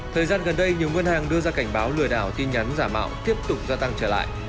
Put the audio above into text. thời gian gần đây nhiều ngân hàng đưa ra cảnh báo lừa đảo tin nhắn giả mạo tiếp tục gia tăng trở lại